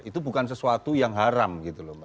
itu bukan sesuatu yang haram gitu loh mbak